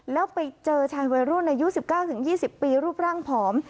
แล้วไปเจอชายวัยรุ่นอายุ๑๙๒๐ปีรูปร่างผอม